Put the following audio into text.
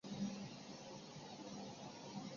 困难不会自动消失